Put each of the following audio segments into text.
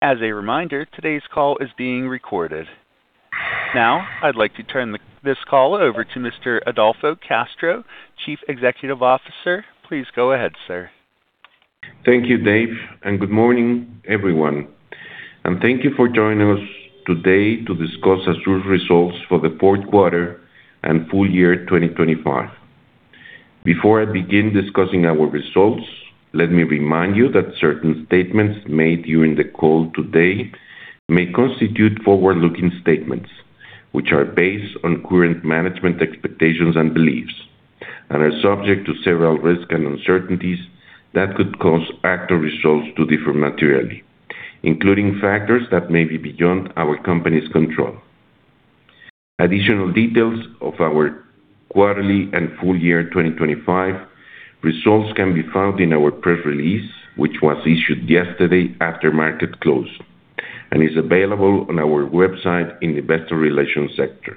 As a reminder, today's call is being recorded. Now, I'd like to turn this call over to Mr. Adolfo Castro, Chief Executive Officer. Please go ahead, sir. Thank you, Dave, and good morning, everyone, and thank you for joining us today to discuss ASUR's results for the fourth quarter and full year 2025. Before I begin discussing our results, let me remind you that certain statements made during the call today may constitute forward-looking statements, which are based on current management expectations and beliefs, and are subject to several risks and uncertainties that could cause actual results to differ materially, including factors that may be beyond our company's control. Additional details of our quarterly and full year 2025 results can be found in our press release, which was issued yesterday after market close, and is available on our website in the Investor Relations section.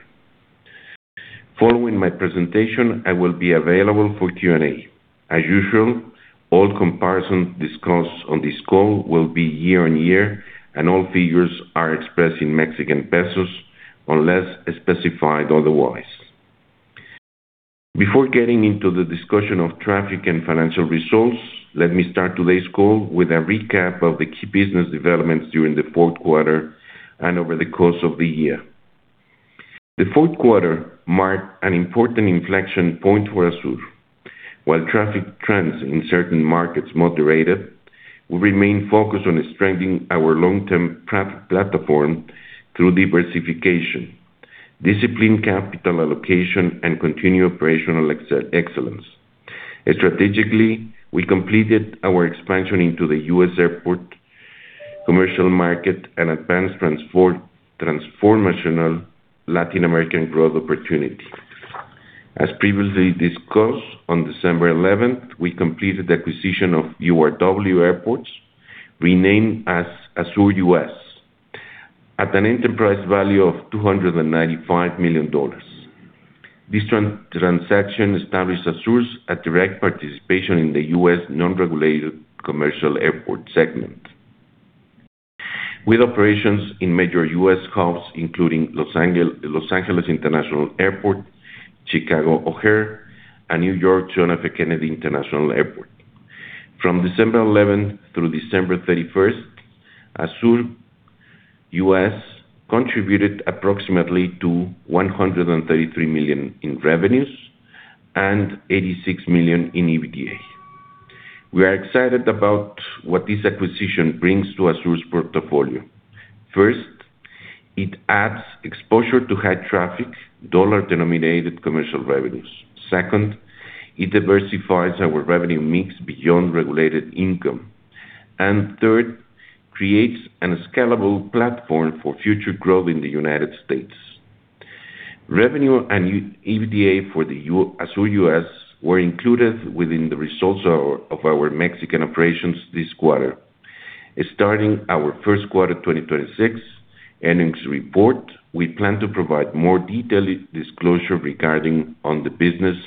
Following my presentation, I will be available for Q&A. As usual, all comparisons discussed on this call will be year-on-year, and all figures are expressed in Mexican pesos unless specified otherwise. Before getting into the discussion of traffic and financial results, let me start today's call with a recap of the key business developments during the fourth quarter and over the course of the year. The fourth quarter marked an important inflection point for ASUR. While traffic trends in certain markets moderated, we remain focused on strengthening our long-term traffic platform through diversification, disciplined capital allocation, and continued operational excellence. Strategically, we completed our expansion into the U.S. airport commercial market and advanced transformational Latin American growth opportunity. As previously discussed, on December 11th, we completed the acquisition of URW Airports, renamed as ASUR US, at an enterprise value of $295 million. This transaction established ASUR's direct participation in the U.S. non-regulated commercial airport segment. With operations in major U.S. hubs, including Los Angeles International Airport, Chicago O'Hare, and New York John F. Kennedy International Airport. From December 11th through December 31st, ASUR US contributed approximately to 133 million in revenues and 86 million in EBITDA. We are excited about what this acquisition brings to ASUR's portfolio. First, it adds exposure to high-traffic, dollar-denominated commercial revenues. Second, it diversifies our revenue mix beyond regulated income. Third, creates an scalable platform for future growth in the United States. Revenue and EBITDA for the ASUR US were included within the results of our Mexican operations this quarter. Starting our first quarter 2026 earnings report, we plan to provide more detailed disclosure regarding on the business,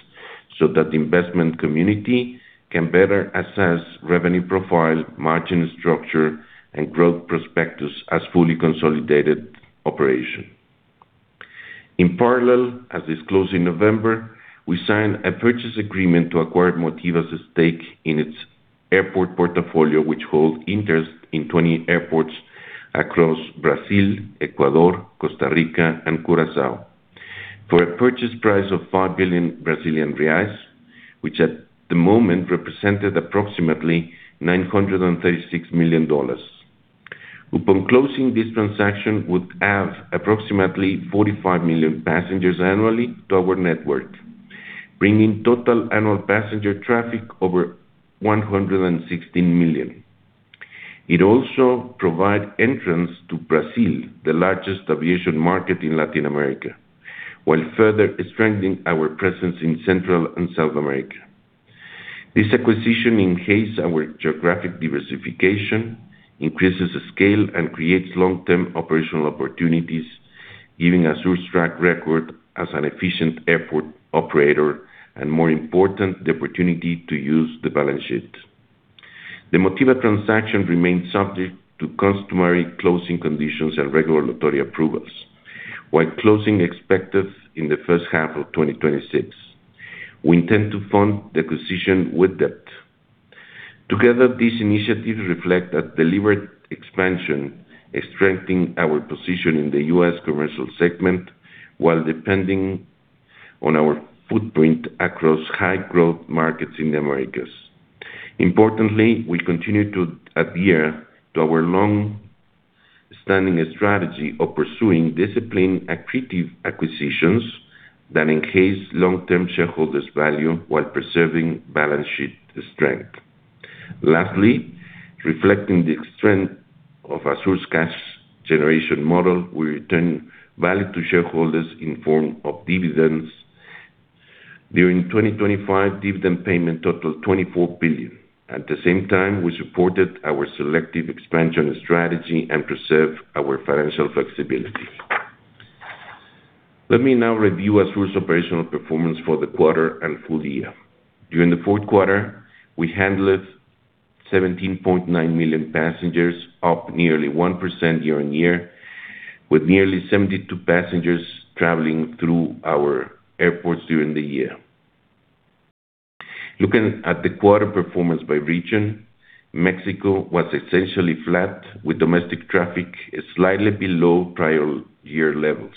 so that the investment community can better assess revenue profile, margin structure, and growth prospectus as fully consolidated operation. In parallel, as disclosed in November, we signed a purchase agreement to acquire Motiva's stake in its airport portfolio, which holds interest in 20 airports across Brazil, Ecuador, Costa Rica, and Curaçao. For a purchase price of 5 billion Brazilian reais, which at the moment represented approximately $936 million. Upon closing, this transaction would add approximately 45 million passengers annually to our network, bringing total annual passenger traffic over 116 million. It also provide entrance to Brazil, the largest aviation market in Latin America, while further strengthening our presence in Central and South America. This acquisition enhance our geographic diversification, increases the scale, and creates long-term operational opportunities, giving ASUR's track record as an efficient airport operator, and more important, the opportunity to use the balance sheet. The Motiva transaction remains subject to customary closing conditions and regulatory approvals, with closing expected in the first half of 2026. We intend to fund the acquisition with debt. Together, these initiatives reflect a deliberate expansion and strengthen our position in the U.S. commercial segment, while depending on our footprint across high-growth markets in the Americas. Importantly, we continue to adhere to our long-standing strategy of pursuing disciplined, accretive acquisitions that enhance long-term shareholders' value while preserving balance sheet strength. Lastly, reflecting the strength of ASUR's cash generation model, we return value to shareholders in form of dividends. During 2025, dividend payment totaled 24 billion. At the same time, we supported our selective expansion strategy and preserved our financial flexibility. Let me now review ASUR's operational performance for the quarter and full year. During the fourth quarter, we handled 17.9 million passengers, up nearly 1% year-on-year, with nearly 72 passengers traveling through our airports during the year. Looking at the quarter performance by region, Mexico was essentially flat, with domestic traffic slightly below prior year levels,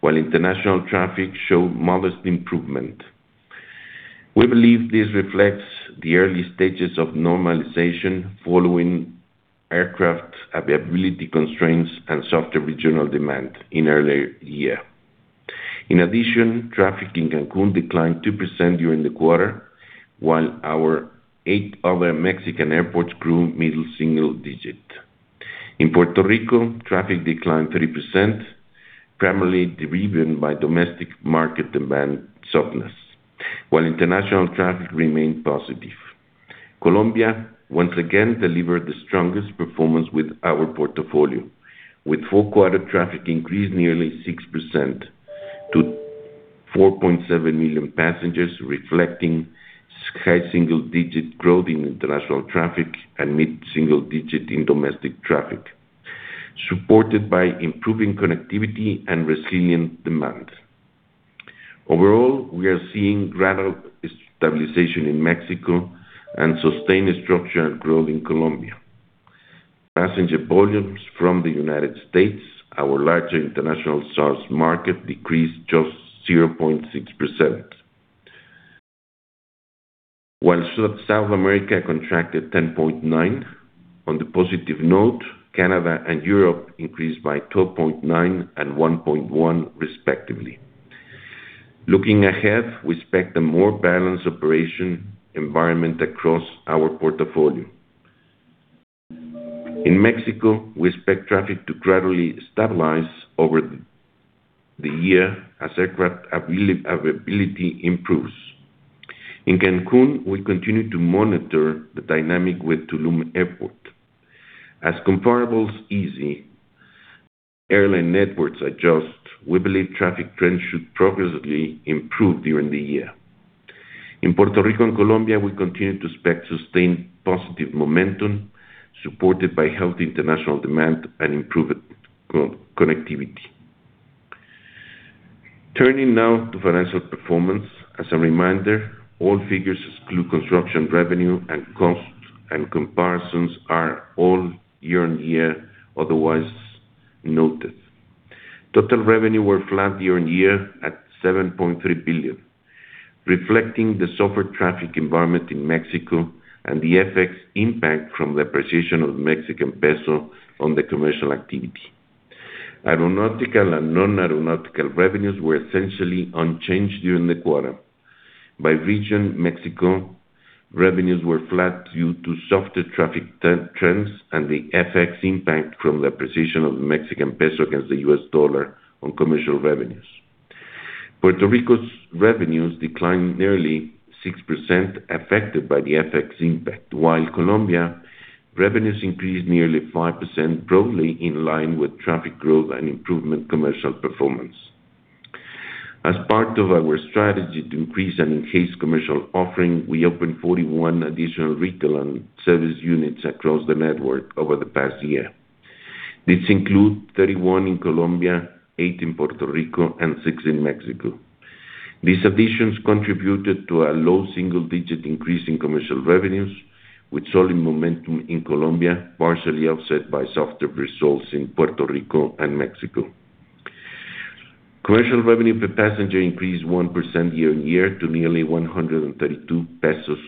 while international traffic showed modest improvement. We believe this reflects the early stages of normalization following aircraft availability constraints and softer regional demand in earlier year. In addition, traffic in Cancun declined 2% during the quarter, while our eight other Mexican airports grew middle single digit. In Puerto Rico, traffic declined 3%, primarily driven by domestic market demand softness, while international traffic remained positive. Colombia, once again, delivered the strongest performance with our portfolio, with full quarter traffic increased nearly 6% to 4.7 million passengers, reflecting high single-digit growth in international traffic and mid-single digit in domestic traffic, supported by improving connectivity and resilient demand. Overall, we are seeing gradual stabilization in Mexico and sustained structural growth in Colombia. Passenger volumes from the United States, our larger international source market, decreased just 0.6%, while South America contracted 10.9%. On the positive note, Canada and Europe increased by 12.9% and 1.1%, respectively. Looking ahead, we expect a more balanced operation environment across our portfolio. In Mexico, we expect traffic to gradually stabilize over the year as aircraft availability improves. In Cancun, we continue to monitor the dynamic with Tulum Airport. As comparables easy airline networks adjust, we believe traffic trends should progressively improve during the year. In Puerto Rico and Colombia, we continue to expect sustained positive momentum, supported by healthy international demand and improved co-connectivity. Turning now to financial performance. As a reminder, all figures exclude construction revenue and costs. Comparisons are all year-on-year, otherwise noted. Total revenue were flat year-on-year at 7.3 billion, reflecting the softer traffic environment in Mexico and the FX impact from the appreciation of Mexican peso on the commercial activity. Aeronautical and non-aeronautical revenues were essentially unchanged during the quarter. By region, Mexico revenues were flat due to softer traffic trends and the FX impact from the appreciation of the Mexican peso against the U.S. dollar on commercial revenues. Puerto Rico's revenues declined nearly 6%, affected by the FX impact, while Colombia revenues increased nearly 5%, broadly in line with traffic growth and improvement commercial performance. As part of our strategy to increase and enhance commercial offering, we opened 41 additional retail and service units across the network over the past year. This include 31 in Colombia, eight in Puerto Rico, and six in Mexico. These additions contributed to a low single-digit increase in commercial revenues, with solid momentum in Colombia, partially offset by softer results in Puerto Rico and Mexico. Commercial revenue per passenger increased 1% year-on-year to nearly 132 pesos.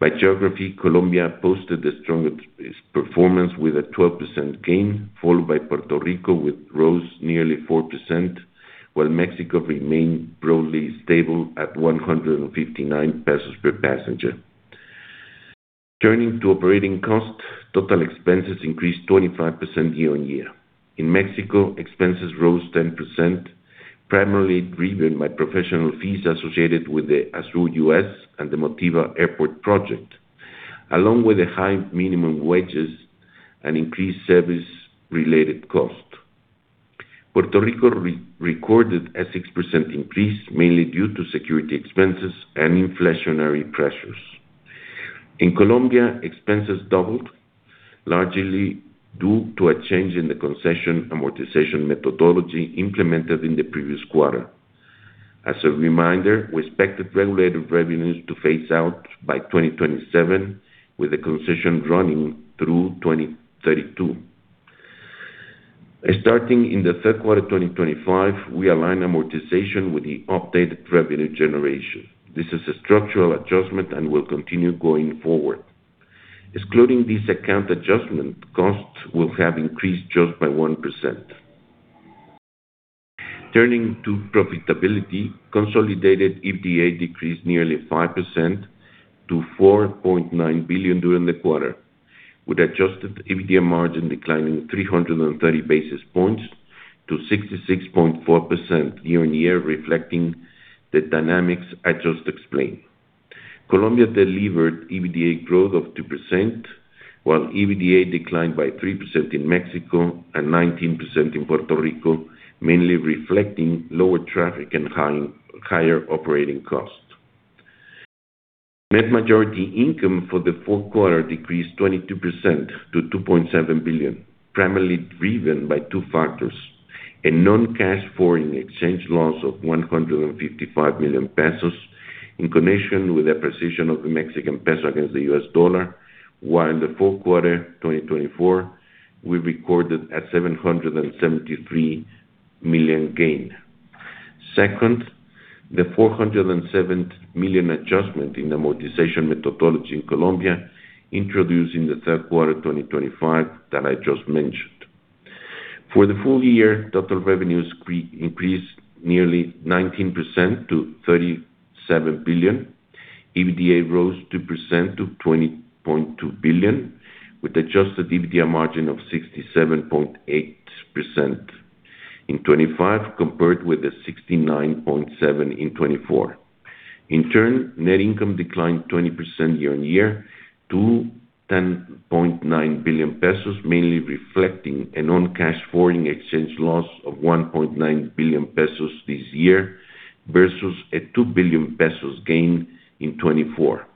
By geography, Colombia posted the strongest performance with a 12% gain, followed by Puerto Rico, which rose nearly 4%, while Mexico remained broadly stable at 159 pesos per passenger. Turning to operating costs, total expenses increased 25% year-on-year. In Mexico, expenses rose 10%, primarily driven by professional fees associated with the ASUR US and the Motiva Airport project, along with the high minimum wages and increased service-related costs. Puerto Rico recorded a 6% increase, mainly due to security expenses and inflationary pressures. In Colombia, expenses doubled, largely due to a change in the concession amortization methodology implemented in the previous quarter. As a reminder, we expected regulated revenues to phase out by 2027, with the concession running through 2032. Starting in the third quarter of 2025, we aligned amortization with the updated revenue generation. This is a structural adjustment and will continue going forward. Excluding this account adjustment, costs will have increased just by 1%. Turning to profitability, consolidated EBITDA decreased nearly 5% to 4.9 billion during the quarter, with adjusted EBITDA margin declining 330 basis points to 66.4% year-on-year, reflecting the dynamics I just explained. Colombia delivered EBITDA growth of 2%, while EBITDA declined by 3% in Mexico and 19% in Puerto Rico, mainly reflecting lower traffic and higher operating costs. Net Majority Income for the fourth quarter decreased 22% to 2.7 billion, primarily driven by two factors: a non-cash foreign exchange loss of 155 million pesos in connection with the precision of the Mexican peso against the U.S. dollar, while in the fourth quarter 2024, we recorded a 773 million gain. Second, the 407 million adjustment in amortization methodology in Colombia, introduced in the third quarter of 2025 that I just mentioned. For the full year, total revenues increased nearly 19% to 37 billion. EBITDA rose 2% to 20.2 billion, with adjusted EBITDA margin of 67.8% in 2025, compared with the 69.7% in 2024. In turn, net income declined 20% year-on-year to 10.9 billion pesos, mainly reflecting a non-cash foreign exchange loss of 1.9 billion pesos this year versus a 2 billion pesos gain in 2024.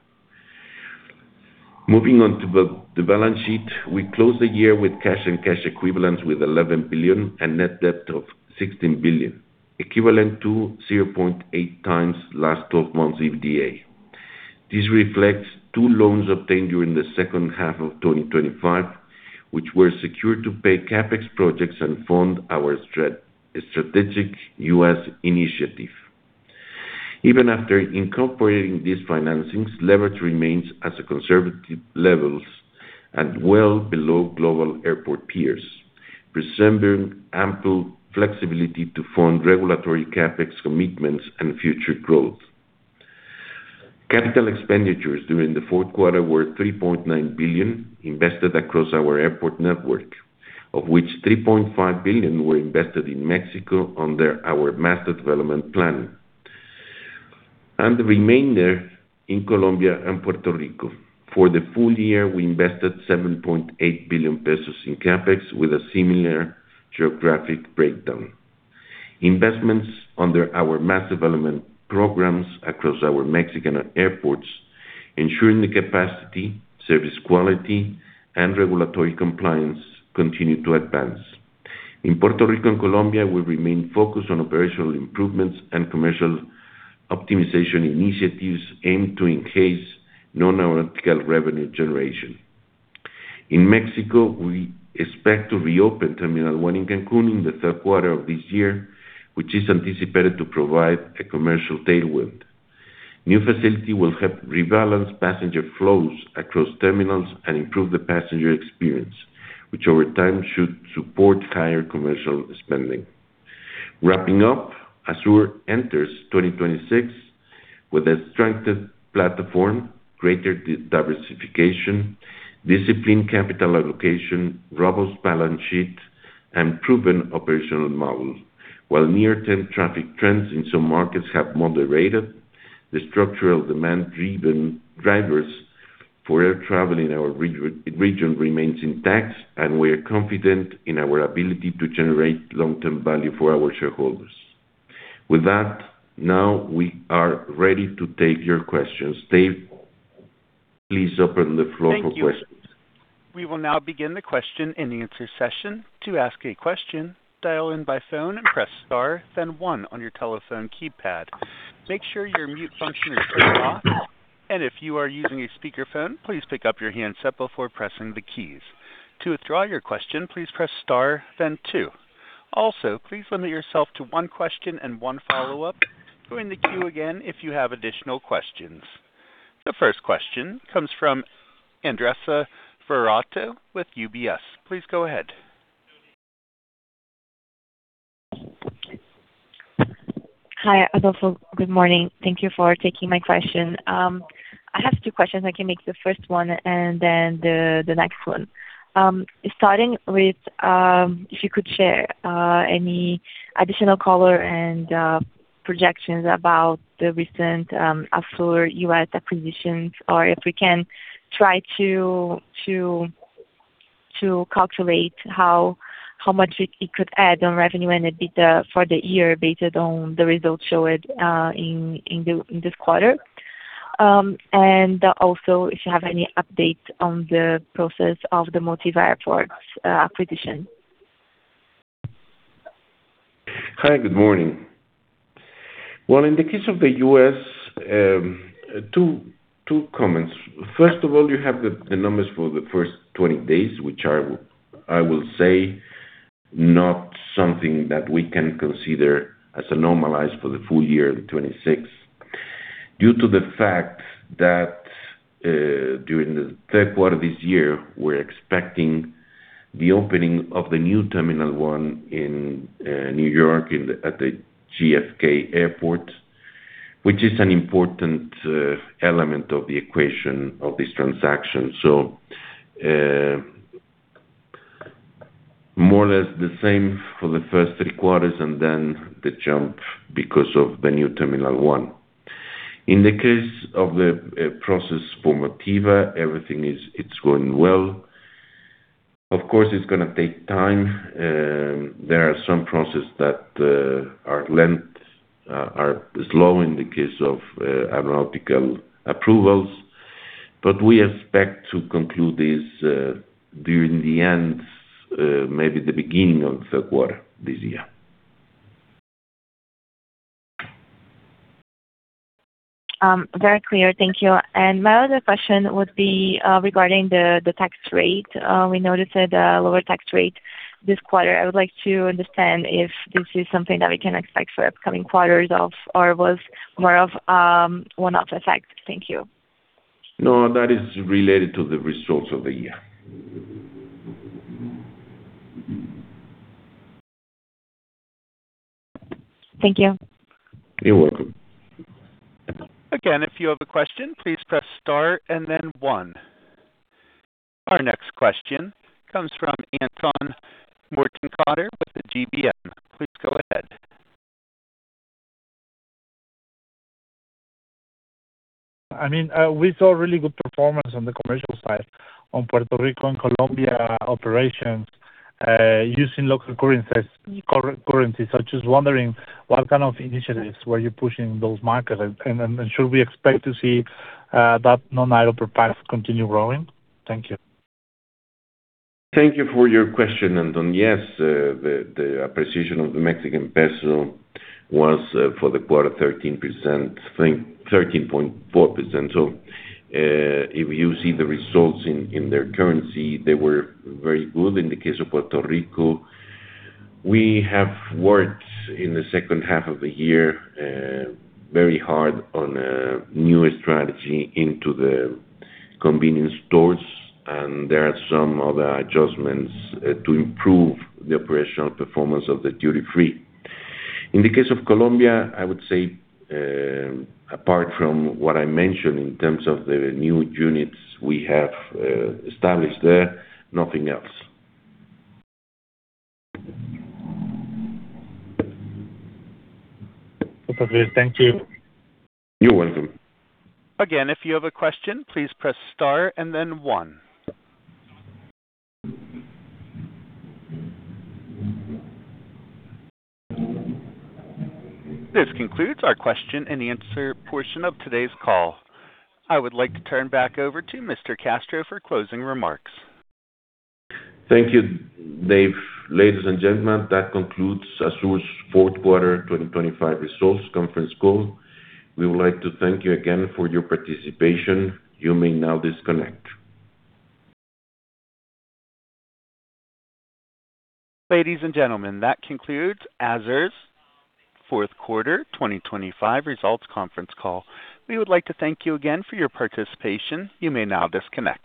Moving on to the balance sheet. We closed the year with cash and cash equivalents with 11 billion and net debt of 16 billion, equivalent to 0.8x last twelve months EBITDA. This reflects two loans obtained during the second half of 2025, which were secured to pay CapEx projects and fund our strategic U.S. initiative. Even after incorporating these financings, leverage remains at a conservative levels and well below global airport peers, resembling ample flexibility to fund regulatory CapEx commitments and future growth. Capital expenditures during the fourth quarter were 3.9 billion, invested across our airport network, of which 3.5 billion were invested in Mexico under our Master Development Plan, and the remainder in Colombia and Puerto Rico. For the full year, we invested 7.8 billion pesos in CapEx, with a similar geographic breakdown. Investments under our Master Development programs across our Mexican airports, ensuring the capacity, service quality, and regulatory compliance continue to advance. In Puerto Rico and Colombia, we remain focused on operational improvements and commercial optimization initiatives aimed to increase non-aeronautical revenue generation. In Mexico, we expect to reopen Terminal 1 in Cancun in the third quarter of this year, which is anticipated to provide a commercial tailwind. New facility will help rebalance passenger flows across terminals and improve the passenger experience, which over time should support higher commercial spending. Wrapping up, ASUR enters 2026 with a strengthened platform, greater diversification, disciplined capital allocation, robust balance sheet, and proven operational model. While near-term traffic trends in some markets have moderated, the structural demand-driven drivers for air travel in our region remains intact, and we are confident in our ability to generate long-term value for our shareholders. With that, now we are ready to take your questions. Dave, please open the floor for questions. Thank you. We will now begin the question and answer session. To ask a question, dial in by phone and press star, then one on your telephone keypad. Make sure your mute function is turned off, and if you are using a speakerphone, please pick up your handset before pressing the keys. To withdraw your question, please press star, then two. Also, please limit yourself to one question and one follow-up. Join the queue again if you have additional questions. The first question comes from Andressa Varotto with UBS. Please go ahead. Hi, Adolfo. Good morning. Thank you for taking my question. I have two questions. I can make the first one and then the next one. Starting with, if you could share any additional color and projections about the recent ASUR US acquisitions, or if we can try to calculate how much it could add on revenue and EBITDA for the year based on the results showed in this quarter? Also, if you have any updates on the process of the Motiva Airports acquisition? Hi, good morning. Well, in the case of the U.S., two comments. First of all, you have the numbers for the first 20 days, which are, I will say, not something that we can consider as a normalized for the full year in 2026. Due to the fact that, during the third quarter this year, we're expecting the opening of the new Terminal 1 in New York, in the, at the JFK Airport, which is an important element of the equation of this transaction. More or less the same for the first three quarters, and then the jump because of the new Terminal 1. In the case of the process for Motiva, everything is, it's going well. Of course, it's gonna take time. There are some processes that are slow in the case of aeronautical approvals, but we expect to conclude this during the end maybe the beginning of the quarter this year. Very clear. Thank you. My other question would be regarding the tax rate. We noticed that a lower tax rate this quarter. I would like to understand if this is something that we can expect for upcoming quarters of, or was more of a one-off effect. Thank you. No, that is related to the results of the year. Thank you. You're welcome. Again, if you have a question, please press star and then one. Our next question comes from Anton Mortenkotter with the GBM. Please go ahead. I mean, we saw really good performance on the commercial side on Puerto Rico and Colombia operations, using local currencies, current currencies. I'm just wondering, what kind of initiatives were you pushing in those markets? And should we expect to see that non-aeronautical continue growing? Thank you. Thank you for your question, Anton. Yes, the appreciation of the Mexican peso was for the quarter, 13%, I think 13.4%. If you see the results in their currency, they were very good. In the case of Puerto Rico, we have worked in the second half of the year, very hard on a new strategy into the convenience stores, and there are some other adjustments to improve the operational performance of the duty-free. In the case of Colombia, I would say, apart from what I mentioned in terms of the new units we have established there, nothing else. Okay. Thank you. You're welcome. Again, if you have a question, please press star and then one. This concludes our question and answer portion of today's call. I would like to turn back over to Mr. Castro for closing remarks. Thank you, Dave. Ladies and gentlemen, that concludes ASUR's fourth quarter 2025 results conference call. We would like to thank you again for your participation. You may now disconnect. Ladies and gentlemen, that concludes ASUR's fourth quarter 2025 results conference call. We would like to thank you again for your participation. You may now disconnect.